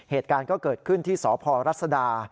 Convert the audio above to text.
เหตุการณ์ก็เกิดขึ้นที่สพรัศดา